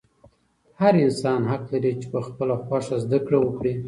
هر انسان حق لري چې په خپله خوښه زده کړه وکړي.